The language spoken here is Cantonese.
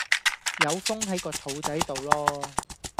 有風係個肚仔到囉